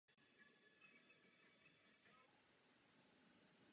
Jedná se o jednu z vůní kvarků.